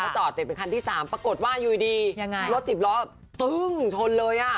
ก็จอดเป็นคันที่๓ปรากฏว่าอยู่ดีรถจิบล้อตึ้งชนเลยอะ